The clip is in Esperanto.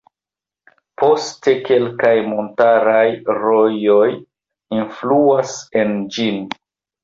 Poste kelkaj montaraj rojoj enfluas en ĝin.